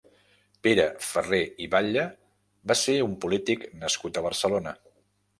Pere Ferrer i Batlle va ser un polític nascut a Barcelona.